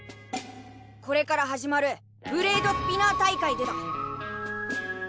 これから始まるブレードスピナー大会でだ。